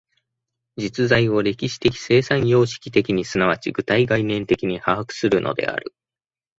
実在を歴史的生産様式的に即ち具体概念的に把握するのである。